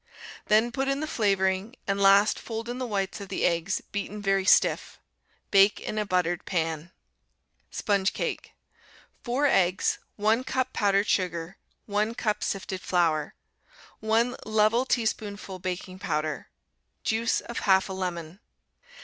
Then put in the flavoring, and last fold in the whites of the eggs, beaten very stiff. Bake in a buttered pan. Sponge Cake 4 eggs. 1 cup powdered sugar. 1 cup sifted flour. 1 level teaspoonful baking powder. Juice of half a lemon.